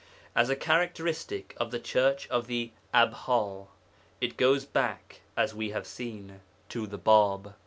As a characteristic of the Church of 'the Abha' it goes back, as we have seen, to the Bāb.